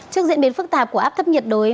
trước diễn biến phức tạp của áp thấp nhiệt đới